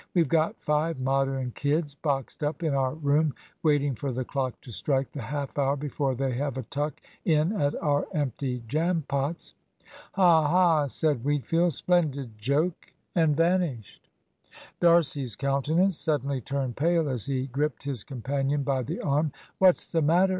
"We've got five Modern kids boxed up in our room, waiting for the clock to strike the half hour before they have a tuck in at our empty jam pots." "Ha, ha!" said Wheatfield; "splendid joke!" and vanished. D'Arcy's countenance suddenly turned pale as he gripped his companion by the arm. "What's the matter?"